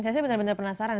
saya benar benar penasaran